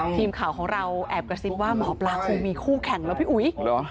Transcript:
ทีมข่าวของเราแอบกระซิบว่าหมอปลาคงมีคู่แข่งแล้วพี่อุ๋ย